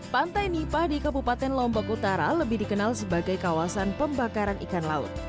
pantai nipah di kabupaten lombok utara lebih dikenal sebagai kawasan pembakaran ikan laut